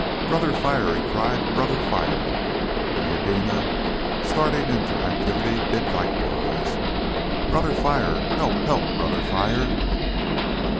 "Brother Fire!" he cried, "Brother Fire!" And Eudena, starting into activity, did likewise. "Brother Fire! Help, help! Brother Fire!"